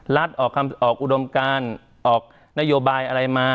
รัฐออกอุดมการออกนโยบายอะไรมา